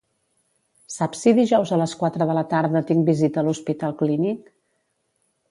Saps si dijous a les quatre de la tarda tinc visita a l'Hospital Clínic?